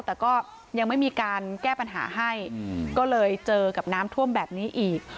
แต่ก็ยังไม่มีการแก้ปัญหาให้ก็เลยเจอกับน้ำท่วมแบบนี้อีก